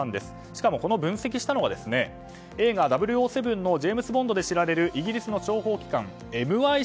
しかも、この分析をしたのは映画「００７」のジェームズ・ボンドで知られるイギリスの諜報機関ＭＩ６。